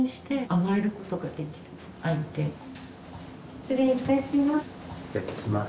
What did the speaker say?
失礼いたします。